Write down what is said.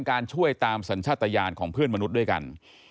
การช่วยตามสัญชาติยานของเพื่อนมนุษย์ด้วยกัน